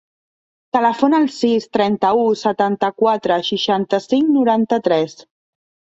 Telefona al sis, trenta-u, setanta-quatre, seixanta-cinc, noranta-tres.